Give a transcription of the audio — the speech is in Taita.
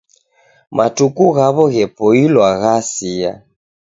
Matuku ghaw'o ghepoilwa ghasia.